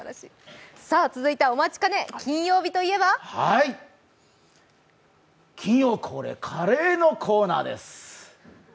続いてはお待ちかね、金曜日といえば金曜恒例カレーのコーナーです。